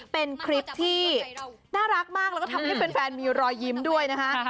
เป็นคลิปที่น่ารักมากแล้วก็ทำให้แฟนมีรอยยิ้มด้วยนะคะ